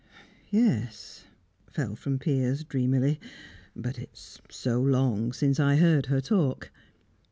"Yes," fell from Piers, dreamily. "But it's so long since I heard her talk."